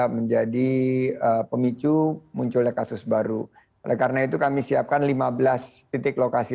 menjadi pemicu munculnya kasus baru oleh karena itu kami siapkan lima belas titik lokasi